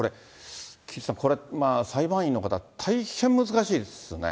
岸さん、裁判員の方、大変難しいですね。